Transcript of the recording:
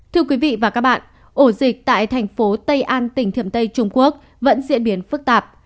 thưa quý vị và các bạn ổ dịch tại thành phố tây an tỉnh thiềm tây trung quốc vẫn diễn biến phức tạp